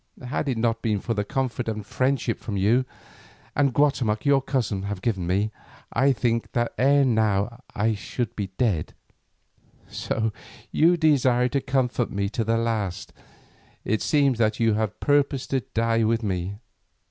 Had it not been for the comfort and friendship which you and Guatemoc your cousin have given me, I think that ere now I should be dead. So you desire to comfort me to the last; it seems that you even purposed to die with me.